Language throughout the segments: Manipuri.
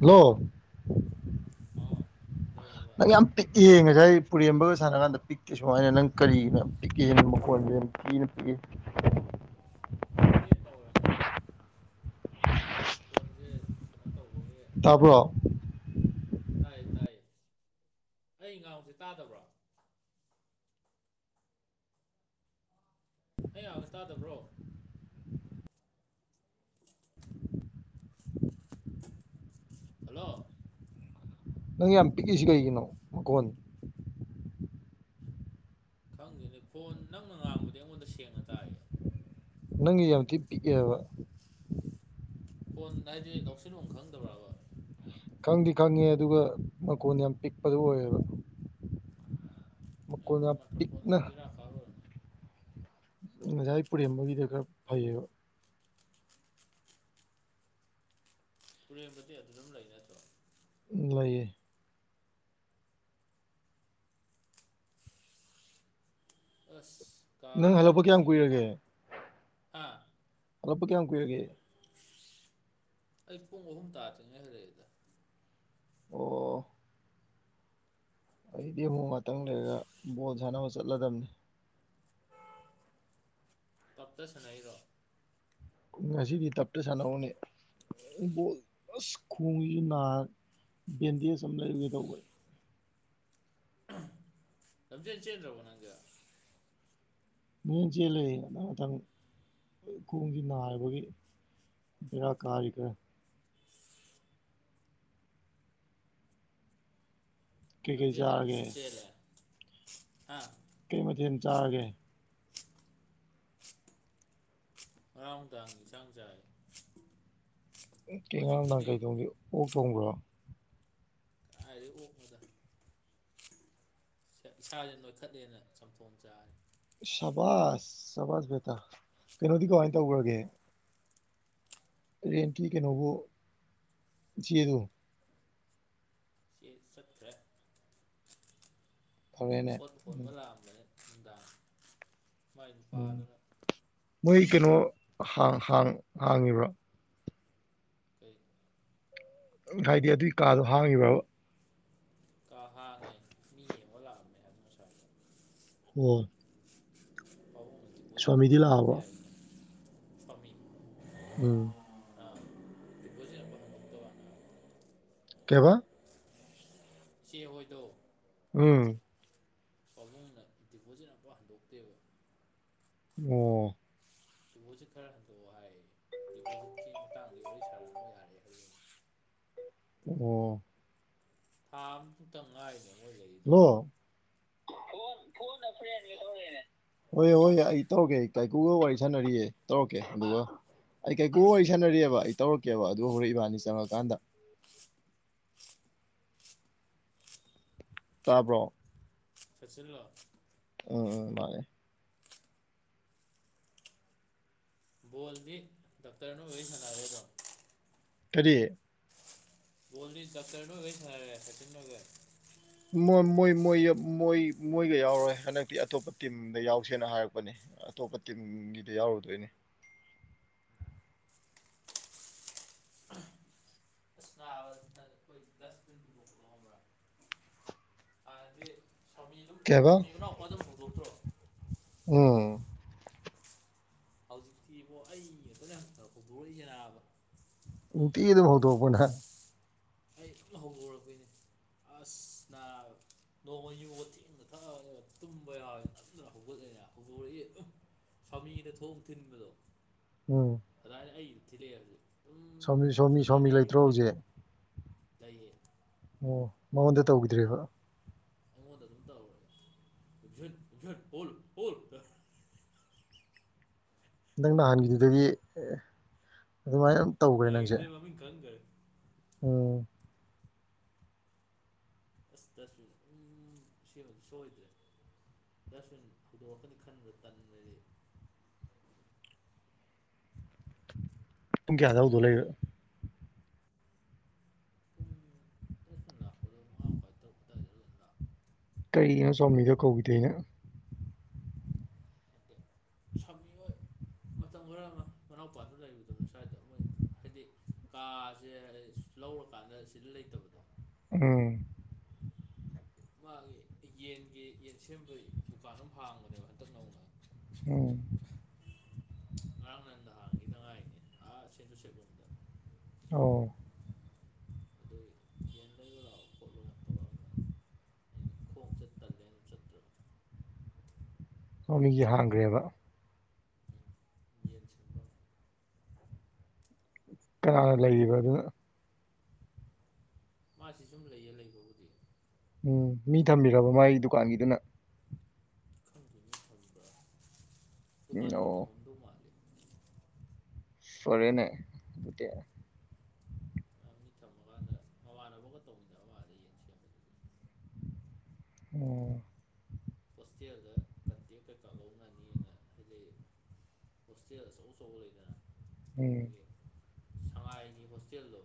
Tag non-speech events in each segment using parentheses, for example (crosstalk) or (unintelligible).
ꯍꯦꯜꯂꯣ ꯑꯥ ꯀꯩꯗꯧꯔꯤꯕ ꯅꯪ ꯌꯥꯝ ꯄꯤꯛꯑꯦ ꯉꯁꯥꯏ ꯄꯨꯔꯦꯝꯕꯒ ꯁꯥꯟꯅ ꯀꯥꯟꯗ ꯄꯤꯛꯀꯦ ꯁꯨꯃꯥꯏꯅ ꯅꯪ ꯀꯔꯤꯅ ꯄꯤꯛꯀꯦ ꯃꯈꯣꯟꯁꯦ ꯌꯥꯝ ꯀꯤꯅ ꯄꯤꯛꯑꯦ ꯍꯦꯞꯅ ꯑꯣꯏꯔꯝꯒꯅꯤꯌꯦ ꯐꯣꯟꯁꯦ ꯀꯩꯅꯣ ꯇꯧꯕꯒꯤ ꯇꯥꯕ꯭ꯔꯣ ꯇꯥꯏ ꯇꯥꯏ ꯑꯩ ꯉꯥꯡꯁꯦ ꯇꯥꯗꯕ꯭ꯔꯣ ꯑꯩ ꯍꯅ ꯇꯥꯗꯕ꯭ꯔꯣ ꯍꯜꯂꯣ ꯅꯪ ꯌꯥꯝ ꯄꯤꯛꯏꯁꯤ ꯀꯩꯒꯤꯅꯣ ꯃꯈꯀꯣꯟ ꯈꯪꯗꯅꯤ ꯐꯣꯟ ꯅꯪꯅ ꯉꯥꯡꯕꯗꯤ ꯑꯩꯉꯣꯟꯗ ꯁꯦꯡꯅ ꯇꯥꯏꯔꯤꯌꯦ ꯅꯪꯒꯤ ꯌꯥꯝ ꯊꯤ ꯄꯤꯛ ꯑꯕꯥ ꯀꯣꯟ ꯍꯥꯏꯗ ꯂꯧꯎꯁꯤꯜ ꯕꯥ ꯈꯪꯗꯕ꯭ꯔꯕ ꯈꯪꯗꯤ ꯈꯪꯉꯦ ꯑꯗꯨꯒ ꯃꯀꯣꯟ ꯌꯥꯝ ꯄꯤꯛꯄꯗꯨ ꯑꯣꯏꯌꯦꯕ ꯑꯩ ꯃꯈꯣꯟ ꯌꯥꯝ ꯃꯈꯀ꯭ꯔ ꯄꯤꯛꯅ ꯐꯣꯟꯁꯦ ꯕꯤꯦꯔꯥ ꯈꯥ ꯂꯣꯏꯔꯝꯃꯅꯤ ꯉꯁꯥꯏ ꯄꯨꯔꯦꯝꯕꯒꯤꯗ ꯈꯔ ꯐꯩꯌꯦꯕ ꯄꯨꯔꯦꯝꯕꯗꯤ ꯑꯗꯨ ꯑꯗꯨꯝ ꯂꯩ ꯅꯠꯇ꯭ꯔꯣ ꯂꯩꯌꯦ ꯑꯁ ꯅꯪ ꯀꯥꯁ ꯍꯜꯂꯛꯄ ꯀꯌꯥꯝ ꯁꯤꯒꯤ ꯅꯣꯡ ꯀꯨꯏꯔꯒꯦ ꯑ ꯑꯛꯄ ꯀꯌꯥꯃ ꯀꯨꯏꯔꯒꯦ ꯑꯩ ꯄꯨꯡ ꯑꯍꯨꯝ ꯇꯥꯗ꯭ꯔꯤꯉꯩ ꯍꯔꯛꯑꯦꯗ ꯑꯣ ꯑꯩꯗꯤ ꯑꯃꯨꯛ ꯉꯥꯛꯇꯪ ꯄꯨꯡ ꯑꯍꯨꯝ ꯂꯩꯔꯒ ꯕꯣꯜ ꯁꯥꯟꯅꯕ ꯆꯠꯂꯗꯝꯕꯅꯤ ꯄꯠꯇ ꯁꯅꯩꯔꯣ ꯉꯁꯤꯗꯤ ꯇꯞꯇ ꯁꯥꯟꯅꯧꯅꯦ ꯣ ꯑꯁ ꯈꯣꯡꯁꯤꯁꯨ ꯅꯥꯔ ꯕꯦꯟꯗꯦꯖ ꯑꯃ ꯂꯩꯔꯨꯒꯦ ꯇꯧꯕ ꯂꯝꯖꯟ ꯆꯦ꯭ꯔꯕꯣ ꯅꯪꯖ ꯃꯦꯟ ꯆꯦꯜꯂ ꯃꯊꯪ ꯃꯊꯪ ꯈꯣꯡꯒꯤ ꯅꯥꯕꯒꯤ ꯕꯔꯥ ꯀꯥꯒ ꯀꯩꯀꯩ ꯁꯖꯔꯤꯅ ꯆꯥꯔꯒꯦ ꯊꯝ ꯆꯦꯔꯦ ꯑꯥ ꯀꯩ ꯃꯊꯦꯜ ꯆꯥꯔꯒꯦ ꯉꯔꯥꯡ ꯅꯨꯡꯗꯥꯡ ꯌꯦꯟꯁꯥꯡ ꯆꯥꯏ ꯎ ꯀꯦꯡꯉ ꯅꯪ ꯍꯧꯖꯤꯛꯄꯨꯗꯤ ꯀꯩ ꯇꯣꯡꯒꯦ ꯑꯣꯛ ꯊꯣꯡꯕ꯭ꯔꯣ ꯑꯗꯤ ꯑꯣ ꯃꯗ ꯏꯁꯥꯁꯦ ꯅꯣꯏꯈꯠꯂꯦꯅ ꯆꯝꯊꯣꯡ ꯆꯥꯔꯦ ꯁꯕꯥꯁ ꯁꯕꯥꯁ ꯕꯦꯇ ꯀꯩꯅꯣꯗꯤ ꯀꯃꯥꯏꯅ ꯇꯧꯈ꯭ꯔꯒꯦ ꯇꯦꯟ ꯀ ꯀ ꯅꯧꯕꯣ ꯆꯗꯨ ꯆꯠꯈꯔꯦ ꯐꯔꯦꯅꯦ ꯎꯝ ꯅꯨꯡꯗꯥꯡ ꯃꯥꯏ ꯅꯨꯄꯥ ꯎꯝ ꯑꯗꯨꯅ ꯃꯣꯏ ꯀꯩꯅꯣꯥꯡ ꯍꯥꯡꯉꯤꯕ꯭ꯔꯣ ꯀꯩ ꯍꯥꯏꯗꯤ ꯑꯗꯨꯒꯤ ꯀꯥꯗꯣ ꯍꯥꯡꯉꯤꯕ꯭ꯔꯕ ꯀ ꯍꯥꯡꯉꯦ ꯃꯤ ꯌꯦꯡꯉꯣ ꯂꯥꯛꯑꯝꯃꯦ ꯉꯥꯁꯥꯏꯗꯣ ꯑꯣ ꯁ꯭ꯋꯥꯃꯤꯗꯤ ꯂꯥꯛꯑꯕ꯭ꯔꯣ ꯁꯋꯥꯃꯤ ꯎꯝ ꯗꯤꯄꯣꯖꯤꯠ ꯑꯝꯐꯥꯎ ꯍꯟꯗꯣꯛꯇꯕꯅ ꯀꯦꯕ ꯆꯦ ꯍꯣꯏꯗꯧ ꯎꯝ ꯄꯥꯕꯨꯡꯅ ꯗꯤꯄꯣꯖꯤꯠ ꯑꯃꯐ ꯍꯟꯗꯣꯛꯇꯦꯕ ꯑꯣ ꯗꯤꯄꯣꯠ ꯈꯔꯗꯗꯤꯣꯠ ꯇ ꯑꯣꯏꯔꯤ ꯁꯔꯅ ꯌꯥꯔꯦ ꯑꯣ ꯊꯥ ꯑꯃꯐꯨꯛꯇ ꯉꯥꯏꯅꯦ ꯃꯣꯏ ꯂꯩꯔꯤꯗꯣ ꯍꯜꯂꯣ ꯍꯣꯏ ꯍꯣꯏ ꯑꯩ ꯇꯧꯔꯛꯀꯦ ꯑꯩ ꯇꯥꯏꯀꯨꯒ ꯋꯥꯔꯤ ꯁꯥꯟꯅꯔꯤꯌꯦ ꯇꯧꯔꯛꯀꯦ ꯑꯗꯨꯒ ꯑꯩ ꯀꯩꯀꯣꯛ ꯋꯥꯔꯤ ꯁꯥꯟꯅꯔꯤꯑꯕ ꯑꯩ ꯇꯧꯔꯛꯀꯦꯕ ꯑꯗꯨꯒ ꯍꯧꯣꯔꯛ ꯏꯕꯥꯅꯤ ꯆꯪꯉꯛꯀꯥꯟꯗ ꯇꯥꯕ꯭ꯔꯣ ꯆꯠꯆꯜꯂꯣ ꯎꯝ ꯎꯝ ꯃꯥꯅꯦ ꯕꯣꯜꯗꯤ ꯗꯥꯛꯇꯔꯅ ꯋꯥꯔꯤ ꯁꯥꯟꯅꯔꯗꯣ ꯀꯔꯤ ꯣꯂꯤ ꯆꯇꯔꯅꯒꯩ ꯁꯔꯦ ꯁꯆꯤꯟ ꯅꯒꯔ ꯣꯏ ꯃꯣꯏꯣꯏ ꯃꯣꯏ ꯃꯣꯏꯒ ꯌꯥꯎꯔꯣꯏ ꯍꯟꯗꯛꯇꯤ ꯑꯇꯣꯞꯄ ꯇꯤꯝꯗ ꯌꯥꯎꯁꯦꯅ ꯍꯥꯏꯔꯛꯄꯅꯦ ꯑꯇꯣꯞꯄ ꯇꯤꯝꯒꯤꯗꯤ ꯌꯥꯎꯔꯨꯗꯣꯏꯅꯦ ꯎꯝ (unintelligible) (inaudible) ꯑꯗ ꯁꯃꯤꯗꯨ ꯀꯩꯕ ꯁ꯭ꯋꯥꯃꯤꯗꯨꯅꯎ ꯋꯥꯖꯝ ꯍꯧꯨꯗꯣꯛꯇ꯭ꯔꯣ ꯎꯝ ꯍꯧꯖꯤꯛꯇꯤꯕꯣ ꯑꯩꯈꯣꯏꯅ ꯍꯧꯗꯣꯔꯛꯏꯁꯦꯅꯥꯕ ꯎꯇꯤꯗ ꯐꯥꯎ ꯇ ꯄꯨꯅ ꯑꯩ ꯁꯨꯝ ꯍꯧꯧꯕꯣꯔꯛꯄꯣꯏꯅꯦ ꯑꯁ ꯅ ꯅꯣꯡꯃ ꯌꯨ ꯊꯦꯡꯅ ꯊꯛꯑꯒ ꯇꯨꯝꯕ ꯌꯥꯎꯋꯦ ꯅꯝꯅ ꯍꯧꯒꯠꯂꯛꯦ ꯍꯧꯗꯣꯔꯛꯏ ꯁꯃꯤꯗ ꯊꯣꯛꯑ ꯊꯤꯟꯕꯗꯣ ꯔ ꯑꯩ ꯏ ꯊꯔꯦ ꯌꯥꯔꯦ ꯁꯣꯃꯤ ꯁꯣꯃꯤ ꯁꯣꯃꯤ ꯂꯩꯇ꯭ꯔꯣ ꯍꯧꯖꯤꯛ ꯂꯩꯌꯦ ꯑꯣ ꯃꯉꯣꯟꯗ ꯑꯗꯣ ꯇꯧꯈꯤꯗ꯭ꯔꯤꯕ ꯑꯩꯉꯣꯟꯗ ꯑꯗꯨꯝ ꯇꯠ ꯅꯪ ꯅꯍꯥꯟꯒꯤꯗꯨꯗꯒꯤ ꯑꯗꯨꯃꯥꯏꯅ ꯇꯧꯈ꯭ꯔꯦ ꯅꯪꯁꯦ ꯑꯣꯝ ꯑꯁꯁ ꯎꯝ ꯁꯤ ꯁꯣꯣꯏꯗ꯭ꯔꯦ ꯆꯁ ꯍꯧꯗꯣꯛꯑꯀꯅꯤ ꯈꯟꯕ꯭ꯔꯥ ꯇꯟꯈ꯭ꯔꯗꯤ ꯄꯨꯡ ꯀꯌꯥꯗ ꯍꯧꯗꯣ ꯂꯩꯕ ꯄꯨꯡ ꯇꯁ ꯃꯤ ꯂꯥꯛꯄꯗꯣ ꯃꯉꯥ ꯃꯈꯥꯏ ꯇꯔꯨꯛꯄꯗꯥꯏꯗꯔꯅ ꯂꯥꯛꯑꯣ ꯀꯔꯤꯅꯣ ꯆꯧꯃꯤꯗꯣ ꯀꯧꯕꯧꯗ ꯑꯩꯅ ꯁ ꯃꯇꯝ ꯈꯔ ꯑꯃ ꯃꯅꯥꯎꯄꯥꯁꯨ ꯂꯩꯔꯨꯗꯕꯅꯤ ꯁ꯭ꯋꯥꯏꯗ ꯃꯣꯏ ꯍꯥꯏꯗꯤ ꯀꯥꯁꯦ ꯂꯧꯔꯀꯥꯟꯗ ꯁꯤꯗ ꯂꯩꯇꯕꯗꯣ ꯑꯦ ꯃꯥꯒꯤ ꯌꯦꯟꯒꯤ ꯌꯦꯟ ꯁꯦꯝꯕꯒꯤ ꯗꯨꯀꯥꯟ ꯑꯃ ꯍꯥꯡꯕꯅꯦꯕ ꯍꯟꯇꯛ ꯅꯧꯅ ꯎꯝ ꯔꯥꯡ ꯅꯟꯗ ꯍꯥꯡꯉꯤꯗ ꯉꯥꯏꯅꯦ ꯑꯥ ꯁꯦꯟꯖꯨ ꯁꯦꯕꯨꯝꯗ ꯑꯣ ꯑꯗꯨ ꯌꯦꯅꯣꯠ ꯑ ꯑꯩꯅ ꯈꯣꯡ ꯆꯠꯇꯒꯦ ꯑꯗꯨ ꯆꯠꯇ꯭ꯔꯕ ꯃ ꯃꯤꯡꯁꯦ ꯍꯥꯡꯈ꯭ꯔꯦꯕ ꯎꯝ ꯌꯦꯕ ꯀꯅꯥ ꯀꯩꯅꯣ ꯂꯩꯔꯤꯕ ꯑꯗꯨ ꯃꯥꯁꯤ ꯁꯨꯝ ꯂꯩꯌꯦ ꯂꯩꯕꯕꯨꯗꯤ ꯎꯝ ꯃꯤ ꯊꯝꯕꯤꯔꯕ ꯃꯥꯒꯤ ꯗꯨꯀꯥꯟꯒꯤꯗꯨꯅ ꯈꯪ ꯊꯝꯕ꯭ꯔꯥ ꯎꯝ ꯗꯨꯀꯥꯟ ꯃꯤ ꯑꯣ ꯊꯝꯃꯝꯗꯧ ꯃꯥꯜꯂꯦ ꯐꯔꯦꯅꯦꯗꯤ ꯃꯤ ꯊꯝꯃꯀꯥꯟꯗ ꯃꯃꯥꯟꯅꯕꯒ ꯇꯧꯃꯤꯟꯅꯕ ꯑꯃ ꯑꯗ ꯌꯦꯟ ꯁꯦꯝꯕꯗꯨꯗꯤ ꯑꯣ ꯍꯣꯁꯇꯦꯜꯗ ꯀꯟꯇꯦꯛ ꯀꯩꯀꯥ ꯂꯧꯅꯅꯤꯅ ꯍꯥꯏꯖ ꯍꯧꯁ ꯁ ꯆꯧꯕ ꯂꯩꯗꯅ ꯎꯝ ꯁꯉꯥꯏꯅꯤ ꯍꯣꯁꯇꯦꯜꯗꯣ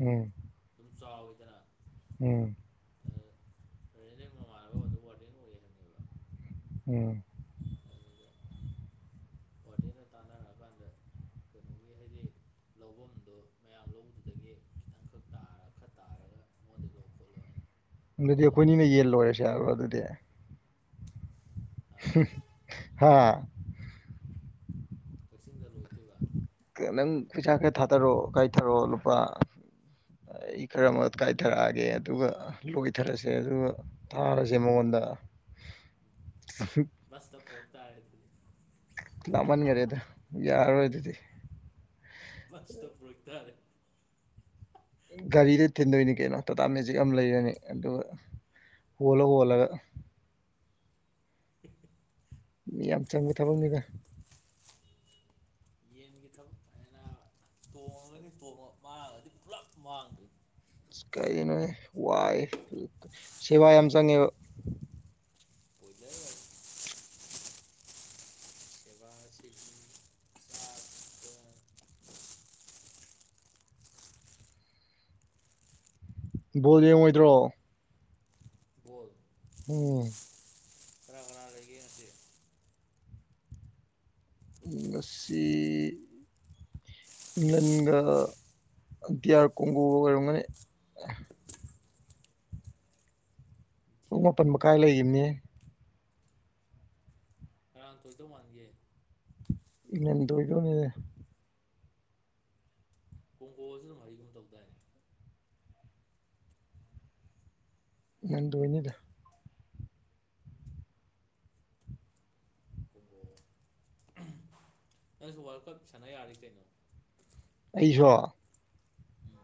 ꯎꯝ ꯆꯥꯎꯋꯦꯗꯅ ꯎꯝ ꯑ ꯎꯝ ꯎꯝ ꯍꯗꯤꯅ ꯇꯥꯟꯅꯔꯛꯑꯀꯥꯟꯗ ꯀꯩꯅꯣꯒꯤ ꯍꯥꯏꯗꯤ ꯂꯧꯐꯝꯗꯣ ꯃꯌꯥꯝ ꯂꯧꯕꯗꯨꯗꯒꯤ ꯈꯤꯇꯪꯈꯛ ꯇꯥꯔ ꯈꯔ ꯇꯥꯔꯒ ꯃꯣꯟꯗ ꯂꯣ ꯈꯣꯠꯂꯣ ꯍꯥꯏꯅ ꯑꯗꯨꯗꯤ ꯑꯩꯈꯣꯏꯅꯤꯅ ꯍꯪꯅꯈꯤꯕꯅꯦ ꯌꯦꯟ ꯂꯣꯏꯔꯁꯦ ꯍꯥꯏꯕ꯭ꯔꯣ ꯑꯥ ꯍꯥꯥ ꯀꯛꯆꯤꯡꯗ ꯂꯣꯏꯇꯣꯏꯕ ꯅꯪ ꯈꯨꯩꯁꯥꯛ ꯈ ꯊꯥꯊꯔꯛꯑꯣ ꯀꯥꯏꯊꯔꯛꯑꯣ ꯂꯨꯄꯥ ꯑꯩ ꯈꯔ ꯑꯃ ꯀꯥꯏꯊꯔꯛꯑꯒꯦ ꯑꯗꯨꯒ ꯂꯣꯏꯊꯔꯁꯦ ꯑꯗꯨꯒ ꯊꯥꯔꯁꯦ ꯃꯉꯣꯟꯗ ꯑ (inaudible) ꯁ ꯇ ꯄꯨꯇ ꯍꯥꯏꯗꯤ ꯂꯥꯞꯃꯟꯈꯔꯦꯗ ꯌꯥꯔꯔꯣꯏ ꯑꯗꯨꯗꯤ ꯋꯥꯁꯇ ꯑꯣꯏꯛꯇꯔꯦ ꯒꯥꯔꯤꯗ ꯊꯤꯟꯗꯣꯏꯅꯤ ꯀꯩꯅꯣ ꯇꯥꯇꯥ ꯃꯦꯖꯤꯛ ꯑꯃ ꯂꯩꯔꯅꯤ ꯑꯗꯨꯒ ꯍꯂꯒ ꯑꯣꯂꯒ ꯃꯤ ꯌꯥꯝ ꯆꯪꯕ ꯊꯕꯛꯅꯤꯅ ꯌꯦꯟꯒꯤ ꯊꯕꯛ ꯇꯣꯡꯉꯗꯤ ꯃꯥꯡꯉꯗꯤ ꯄꯨꯂꯞ ꯃꯥꯡꯗ꯭ꯔꯤ ꯀꯔꯤꯅꯣ ꯋꯥꯏ ꯁꯦꯕꯥ ꯌꯥꯝ ꯆꯪꯉꯦꯕ ꯄꯨꯂꯅꯤ ꯁꯕꯥꯁꯤ ꯁꯥꯇ ꯕꯣꯜ ꯌꯦꯡꯉꯣꯏꯗ꯭ꯔꯣ ꯣꯜ ꯎꯝ ꯈꯔ ꯀꯅꯥꯔꯤꯗꯒꯤ ꯍꯧꯁꯨ ꯑꯁꯤ ꯏꯪꯂꯦꯟꯒ ꯇꯤ ꯑꯥꯔ ꯀꯣꯡꯒꯣꯒ ꯑꯣꯏꯔꯝꯒꯅꯤ ꯄꯨꯡ ꯏꯟꯗꯤꯌꯥ ꯃꯥꯄꯟ ꯀꯣꯡꯒꯣ ꯃꯈꯥꯏ ꯂꯩꯈꯤꯕꯅꯦ ꯂꯥꯟ ꯇꯣꯏꯗꯧ ꯃꯥꯟꯒꯦ ꯏ ꯇꯤ ꯇꯉꯗ ꯀꯣꯡꯒꯣꯖ ꯃꯔꯤꯒꯨꯝꯧꯗ ꯃꯗꯅꯤꯗ ꯎ ꯅꯁꯨ ꯋꯥꯔꯜ ꯀꯞ ꯁꯥꯟꯅ ꯌꯥꯔꯤ ꯀꯩꯅꯣ ꯑꯩꯁꯨꯣ ꯎꯝ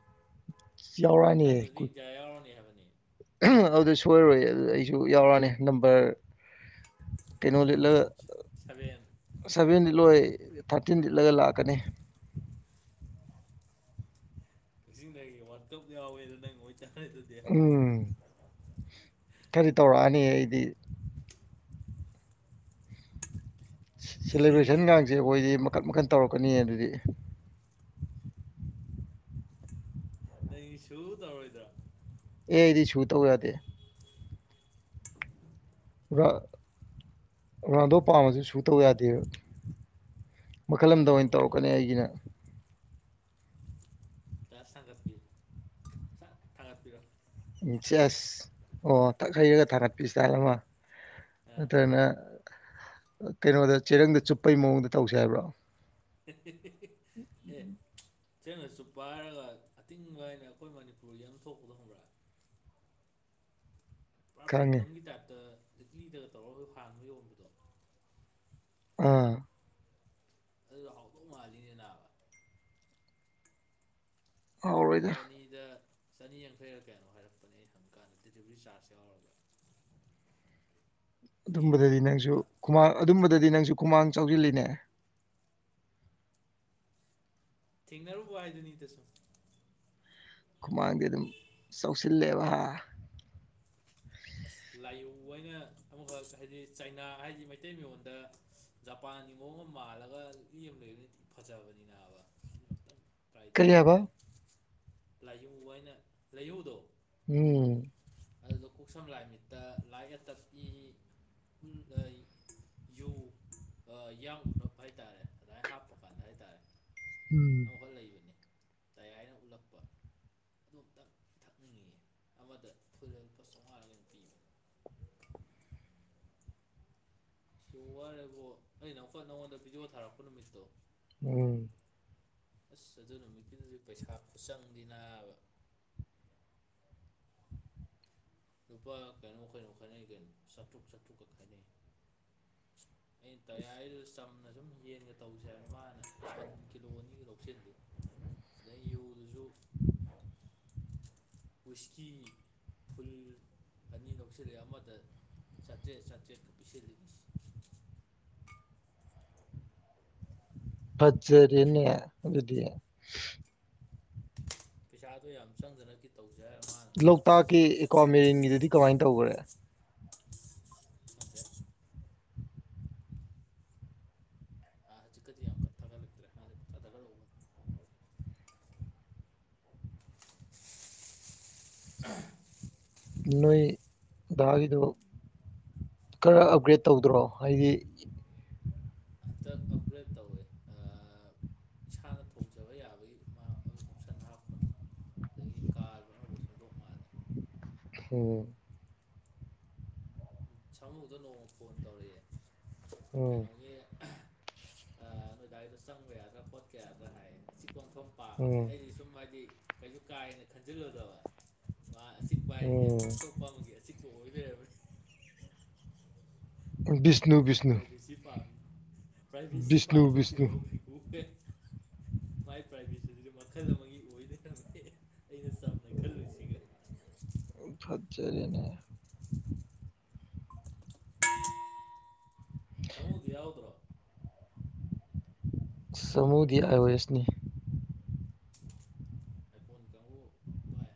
ꯃꯊꯪ ꯅꯨꯗꯤ ꯏꯟꯖ ꯌꯥꯎꯔꯅꯤ ꯍꯥꯏꯕ ꯑꯗꯨ ꯁꯣꯏꯔꯣꯏ ꯑꯗꯨ ꯑꯩꯁꯨ ꯌꯥꯎꯔꯛꯑꯅꯤ ꯅꯝꯕꯔ ꯇꯅꯨꯂꯤꯂ ꯁꯚꯦꯟ ꯂꯣꯏ ꯊꯥꯆꯤꯟ ꯂꯤꯠꯂꯒ ꯂꯥꯛꯀꯅꯤ ꯀꯛꯆꯤꯡꯗꯒꯤ ꯋꯥꯀꯞ ꯌꯥꯎꯋꯦꯗ ꯅꯪ ꯑꯣꯏꯣꯏ ꯆꯥꯔꯗꯨꯗꯤ ꯀꯔꯤ ꯇꯧꯔꯛꯑꯅꯤ ꯑꯩꯗꯤ ꯁꯦꯂꯦꯕ꯭ꯔꯦꯁꯟꯒꯁꯦ ꯑꯩꯈꯣꯏꯗꯤ ꯃꯈꯟ ꯃꯈꯟ ꯇꯧꯔꯛꯀꯅꯤ ꯑꯗꯨꯗꯤ ꯅꯪ ꯏ ꯁꯨ ꯇꯧꯔꯣꯣꯏꯗ꯭ꯔꯥ ꯑꯦ ꯑꯩꯗꯤ ꯁꯨ ꯇꯧ ꯌꯥꯗꯦ (inaudible) ꯔꯥꯟꯗꯣ ꯄꯥꯝꯝꯕꯁꯨ ꯁꯨ ꯇꯧ ꯌꯥꯗꯦꯕ ꯃꯈꯜ ꯑꯃꯗ ꯑꯣꯏꯅ ꯀꯩꯗꯧꯔꯕ ꯅꯪ ꯇꯧꯔꯛꯀꯅꯤ ꯑꯩꯒꯤꯅ ꯌꯥ ꯊꯒ ꯄꯤ ꯊꯒ ꯄꯤꯔꯣ ꯎꯝ ꯆ ꯑꯁ ꯑꯣ ꯊꯛ ꯍꯩꯔꯒ ꯊꯥꯒꯠꯄꯤꯁꯤꯇꯥꯜ ꯑꯃ ꯑꯥ ꯑꯠꯇꯅ ꯀꯩꯅꯣꯗ ꯆꯦꯔꯪꯗ ꯆꯨꯞꯄꯩ ꯃꯑꯣꯡꯗ ꯇꯧꯁꯦ ꯍꯥꯏꯕ꯭ꯔꯣ ꯑꯦ ꯁꯦꯡꯅꯁꯨ ꯄꯥꯏꯔꯒ ꯑꯇꯤꯡꯕ ꯍꯥꯏꯅ ꯑꯩꯈꯣꯏ ꯃꯅꯤꯄꯨꯔ ꯌꯥꯝ ꯊꯣꯛꯄꯗ ꯈꯪꯕ꯭ꯔꯥ ꯄꯨꯔꯥ ꯈꯪꯉꯦ ꯄ꯭ꯔꯤꯃꯤꯌꯝꯒꯤ ꯇꯥꯏꯞꯇ ꯂꯤꯛꯂꯤꯗꯒ ꯇꯧꯔꯒ ꯍꯣꯏ ꯍꯥꯡꯕ ꯌꯣꯟꯕꯗꯣ ꯑꯥ ꯑꯗꯨꯗ ꯍꯥꯎꯗꯧ ꯃꯥꯜꯂꯤꯅꯦ ꯅꯥꯕ ꯄꯨꯜ ꯍꯥꯎꯔꯣꯏꯗ ꯑꯅꯤꯗ ꯆꯅꯤ ꯌꯥꯡꯊꯩꯔ ꯀꯩꯅꯣ ꯍꯥꯏꯔꯛꯄꯅꯦ ꯍꯪꯕ ꯀꯥꯟꯗ ꯗꯦꯂꯤꯚꯔꯤ ꯆꯥꯔꯖ ꯌꯥꯎꯔꯕ꯭ꯔꯥ ꯑꯗꯨꯝꯕꯗꯗꯤ ꯅꯪꯁꯨ ꯈꯨꯃꯥꯡ ꯑꯗꯨꯝꯕꯗꯗꯤ ꯅꯪꯁꯨ ꯈꯨꯃꯥꯡ ꯆꯥꯎꯁꯤꯜꯂꯤꯅꯦ ꯊꯦꯡꯅꯔꯨꯕ ꯍꯥꯏꯗꯨꯅꯤꯗꯁꯨ ꯈꯨꯃꯥꯡꯗꯤ ꯑꯗꯨꯝ ꯆꯥꯎꯁꯤꯜꯂꯦꯕ (inaudible) ꯂꯥꯏꯌꯧ ꯑꯣꯏꯅ ꯑꯃꯈꯛ ꯍꯥꯏꯗꯤ ꯆꯩꯅꯥ ꯍꯥꯏꯗꯤ ꯃꯩꯇꯩ ꯃꯌꯣꯟꯗ ꯖꯄꯥꯟꯒꯤ ꯃꯑꯣꯡ ꯑꯃ ꯃꯥꯜꯂꯒ ꯂꯤ ꯑꯃ ꯂꯩꯕꯅꯤꯗꯤꯤ ꯐꯖꯕꯅꯤꯅ ꯍꯥꯏꯕꯛꯇ ꯇꯥꯏ ꯀꯔꯤ ꯍꯥꯏꯕ ꯇꯧꯅꯤꯡꯉꯤ ꯂꯥꯏꯍꯧ ꯍꯥꯏꯅ ꯂꯥꯏꯍꯧꯗꯣ ꯎꯝ ꯑꯗꯨꯗ ꯀꯣꯛꯁꯝ ꯂꯥꯏꯃꯤꯠꯇ ꯂꯥꯏꯒ ꯇꯞꯀꯤ ꯌꯨ ꯌꯥ ꯎꯅꯕ ꯍꯥꯏꯇꯥꯔꯦ ꯑꯗꯨꯃꯥꯏ ꯍꯥꯞꯄ ꯀꯥꯟꯗ ꯍꯥꯏꯔꯦ ꯍꯥꯏꯇꯥꯔꯦ ꯎꯝ ꯑꯈ ꯂꯩꯕꯅꯦ ꯇꯌꯥꯥꯏꯅ ꯎꯠꯂꯛꯄ ꯑꯗꯨꯝꯇ ꯊꯛꯅꯤꯡꯉꯏ ꯑꯃꯗ ꯐꯨꯦꯜ ꯄꯁꯔꯒ ꯄꯕ ꯁꯤ ꯋꯥꯔꯦꯕꯣ ꯑꯩꯅ ꯑꯃꯨꯛꯀ ꯅꯉꯣꯟꯗ ꯚꯗꯤꯑꯣ ꯊꯥꯔꯛꯄ ꯅꯨꯃꯤꯠꯇꯣ ꯎꯝ ꯑꯁ ꯑꯗꯨ ꯅꯨꯃꯤꯠꯀꯤꯗꯨꯗꯤ ꯄꯩꯁꯥ ꯈꯨꯠꯆꯪꯗꯦꯅꯥꯕ ꯂꯨꯄꯥ ꯀꯩꯅꯣ ꯈꯩꯅꯣ ꯈꯥꯏꯅꯩ ꯀꯩꯅꯣ ꯆꯥꯇ꯭ꯔꯨꯛ ꯆꯥꯇ꯭ꯔꯨꯛꯀ ꯈꯥꯏꯅꯩ ꯑꯩꯅ ꯇꯌꯥꯔꯤꯗꯨꯗ ꯆꯝꯅ ꯁꯨꯝ ꯌꯦꯟꯒ ꯇꯧꯁꯦ ꯍꯥꯏꯕ ꯃꯥꯅ ꯁꯟ ꯀꯤꯂꯣ ꯑꯅꯤꯒ ꯂꯧꯁꯤꯟꯜꯂꯤꯦ ꯑꯗꯩ ꯌꯨꯗꯨꯁꯨ ꯎꯆꯁꯀꯤ ꯐꯨꯜ ꯑꯅꯤ ꯂꯧꯁꯤꯜꯂꯦ ꯑꯃꯗ ꯆꯥꯇ꯭ꯔꯦꯠ ꯆꯥꯇ꯭ꯔꯦꯠꯀ ꯄꯤꯁꯤꯜꯂꯤꯅꯤ (inaudible) ꯄꯖꯔꯤꯅꯦ ꯑꯗꯨꯗꯤ ꯄꯩꯁꯥꯗꯣ ꯌꯥꯝ ꯆꯪꯗꯅꯈꯤ ꯇꯧꯁꯦ ꯍꯥꯏꯔ ꯃꯥꯅ ꯄꯩꯁꯥ ꯂꯣꯏ ꯂꯣꯛꯇꯥꯛꯀꯤ ꯆꯪꯍꯟꯗꯅ ꯑꯦꯀ꯭ꯋꯥ ꯃꯦꯔꯤꯟꯒꯤꯗꯗꯤ ꯀꯃꯥꯏꯅ ꯇꯧꯈ꯭ꯔꯦ ꯈꯪꯗꯦ ꯑꯥ ꯍꯧꯖꯤꯛꯀꯗꯤ ꯌꯥꯝ ꯀ ꯊꯥꯒꯠꯂꯛꯇ꯭ꯔꯦ ꯍꯥꯟꯖꯤꯛ ꯄꯨꯊꯥ ꯊꯥꯒꯠꯂꯛꯎꯕꯅꯤ ꯑ ꯅꯣꯏ ꯥꯎꯒꯤꯗ ꯈꯔ ꯑꯞꯒ꯭ꯔꯦꯗ ꯇꯧꯗ꯭ꯔꯣ ꯍꯥꯏꯗꯤ ꯍꯟꯇꯛ ꯑꯞꯒ꯭ꯔꯦꯗ ꯇꯧꯋꯦ ꯏꯁꯥꯅ ꯊꯣꯡꯖꯕ ꯌꯥꯕꯒꯤ ꯃꯥ ꯑꯣꯞꯁꯟ ꯍꯥꯞꯄꯅꯤ ꯑꯗꯒꯤ ꯀꯥ ꯈꯅꯐ ꯁꯦꯝꯗꯣꯛ ꯃꯥꯜꯂꯦ ꯑꯣ ꯁꯥꯃꯨꯗꯣ ꯅꯣꯡꯃ ꯐꯣꯟ ꯇꯧꯔꯛꯑꯦ ꯎꯝ ꯑ ꯅꯣꯏ ꯒꯥꯔꯤꯗꯣ ꯆꯪꯕ ꯌꯥꯗ꯭ꯔꯥ ꯄꯣꯠꯀ ꯌꯥꯗ꯭ꯔꯥ ꯍꯥꯏꯌꯦ ꯄꯣꯟꯐꯝ ꯄꯥꯝꯃꯦꯍꯦ ꯎꯝ ꯑꯩꯗꯤ ꯁꯨꯝ ꯍꯥꯏꯗꯤ ꯀꯩꯁꯨ ꯀꯥꯏꯅ ꯈꯟꯖꯤꯜꯂꯨꯗꯕ ꯑ ꯑꯁꯤꯛ ꯀ ꯍꯥꯏꯔꯤꯁꯦ ꯎꯝ ꯑꯇꯣꯞꯄꯃꯒꯦ ꯑꯁꯤ ꯀꯣꯛꯑꯣ ꯂꯩꯔꯕꯅꯤ ꯕꯤꯁꯅꯨ ꯕꯤꯁꯅꯨ ꯄ꯭ꯔꯥꯏꯚꯦꯁꯤ ꯄꯥꯝꯃꯤ ꯄ꯭ꯔꯥꯏꯚꯦꯁꯤ ꯕꯤꯁꯅꯨ ꯄꯥꯝꯕ ꯕꯤꯁꯅꯨ ꯊꯤꯔꯛꯑꯣ ꯀꯩ ꯀꯣꯛꯇꯦ ꯃꯥꯏ ꯄ꯭ꯔꯥꯏꯚꯦꯁꯤꯁꯤꯗꯤ ꯃꯈꯜ ꯑꯃꯒꯤ ꯑꯣꯏꯗꯔꯝꯃꯦ ꯑꯩꯅ ꯆꯝꯅ ꯈꯜꯂꯨꯁꯤꯒ (inaudible) ꯑꯖꯦꯔꯤꯅꯦ ꯁꯃꯗꯤ ꯌꯥꯎꯗ꯭ꯔꯣ ꯁꯃꯨꯒꯤ ꯑꯥꯏ ꯑꯣ ꯑꯦꯁꯅꯤ ꯑꯩ ꯐꯣꯟ ꯀ ꯄꯥꯏ